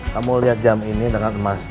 kamu lihat jam ini dengan emas